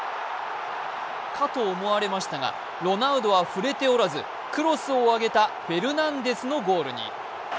かと思われましたが、ロナウドは触れておらずクロスを上げたフェルナンデスのゴールに。